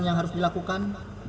yang harus dilakukan